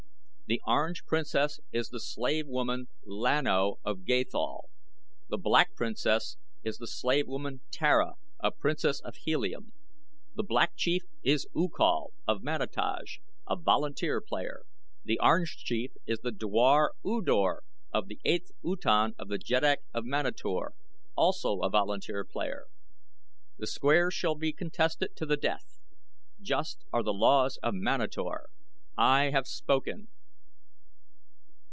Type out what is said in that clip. The Orange Princess is the slave woman Lan O of Gathol; the Black Princess is the slave woman Tara, a princess of Helium. The Black Chief is U Kal of Manataj, a volunteer player; the Orange Chief is the dwar U Dor of the 8th Utan of the jeddak of Manator, also a volunteer player. The squares shall be contested to the death. Just are the laws of Manator! I have spoken."